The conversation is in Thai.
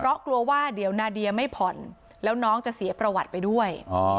เพราะกลัวว่าเดี๋ยวนาเดียไม่ผ่อนแล้วน้องจะเสียประวัติไปด้วย